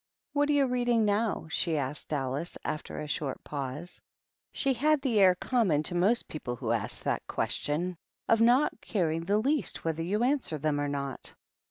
" What are you reading now ?" she asked Alice, aflter a short pause. She had the air common to most people who ask that question, of not caring the least whether you answer them or not.